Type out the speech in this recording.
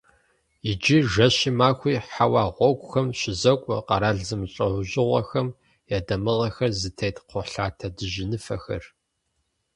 Иджы жэщи махуи хьэуа гъуэгухэм щызокӏуэ къэрал зэмылӏэужьыгъуэхэм я дамыгъэхэр зытет кхъухьлъатэ дыжьыныфэхэр.